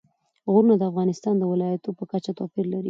غرونه د افغانستان د ولایاتو په کچه توپیر لري.